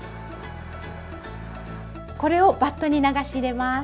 これをバットに流し入れます。